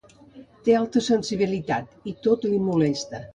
Té alta sensibilitat i tot li molesta.